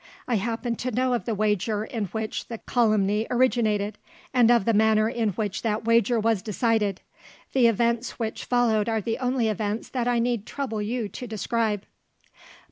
I happen to know of the wager in which the calumny originated, and of the manner in which that wager was decided. The events which followed are the only events that I need trouble you to describe."